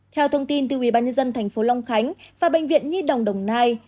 theo thông tin từ ubnd tp long khánh và bệnh viện nhi đồng đồng nai